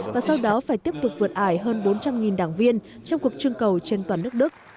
và sau đó phải tiếp tục vượt ải hơn bốn trăm linh đảng viên trong cuộc trưng cầu trên toàn nước đức